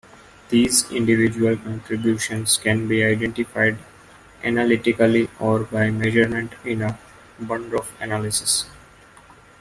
These individual contributions can be identified analytically or by measurement in a Bundorf analysis.